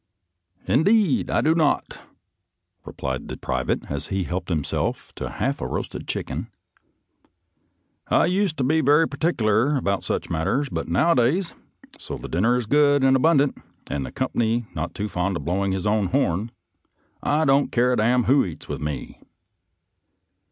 »" Indeed, I do not," replied the private as he helped himself to half of a roasted chicken; " I used to be very particular about such mat ters, but nowadays, so the dinner is good and abundant and the company not too fond of blow ing his own horn, I don't care a d n who eats with me."